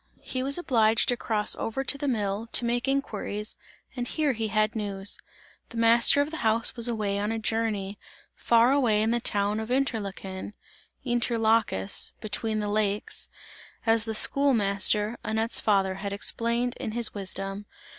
He was obliged to cross over to the mill, to make inquiries, and here he had news. The master of the house was away on a journey, far away in the town of Interlaken inter lacus, "between the lakes" as the school master, Annette's father, had explained, in his wisdom.